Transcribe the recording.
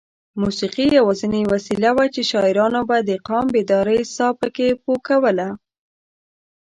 موسېقي یوازینۍ وسیله وه چې شاعرانو به د قام بیدارۍ ساه پکې پو کوله.